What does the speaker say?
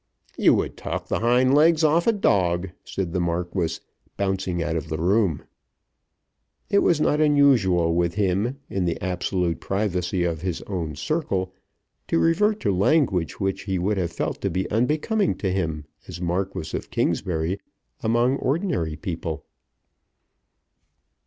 "You would talk the hind legs off a dog," said the Marquis, bouncing out of the room. It was not unusual with him, in the absolute privacy of his own circle, to revert to language which he would have felt to be unbecoming to him as Marquis of Kingsbury among ordinary people.